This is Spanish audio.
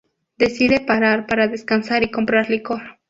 Decide parar para descansar y comprar licor.